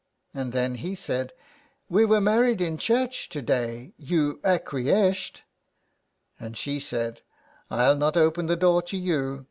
'' And then he said :—'' We were married in church — to day, you acquie eshed." And she said :—" I'll not open the door to you.